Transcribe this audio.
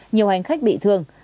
nhiều hành khách bị thương